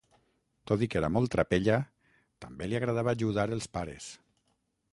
Tot i que era molt trapella, també li agradava ajudar els pares.